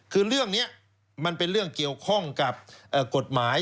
คือเรื่องนี้มันเป็นเรื่องเกี่ยวข้องกับกฎหมาย